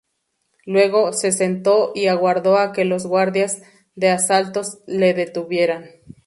Luego, se sentó y aguardó a que los guardias de asalto le detuvieran.